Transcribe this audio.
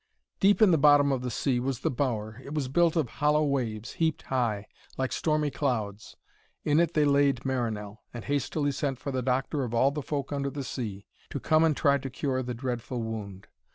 Deep in the bottom of the sea was the bower. It was built of hollow waves, heaped high, like stormy clouds. In it they laid Marinell, and hastily sent for the doctor of all the folk under the sea, to come and try to cure the dreadful wound.